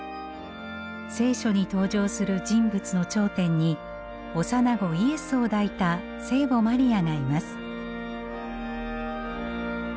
「聖書」に登場する人物の頂点に幼子イエスを抱いた聖母マリアがいます。